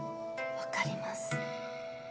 分かります。